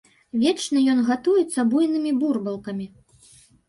Вечна ён гатуецца буйнымі бурбалкамі.